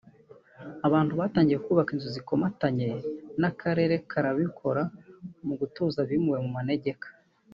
abantu batangiye kubaka inzu zikomatanye n’akarere karabikora mu gutuza abimuwe mu manegeka